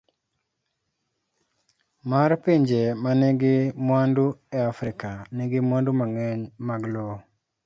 D. mar Pinje ma nigi mwandu e Afrika, nigi mwandu mang'eny mag lowo.